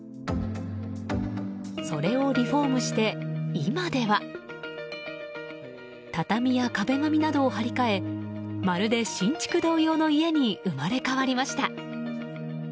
それをリフォームして今では畳や壁紙などを貼り替えまるで新築同様の家に生まれ変わりました。